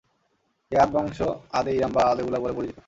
এই আদ বংশ আদে ইরাম বা আদে উলা বলে পরিচিত।